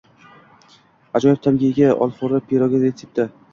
Ajoyib ta’mga ega olxo‘rili pirog retsepti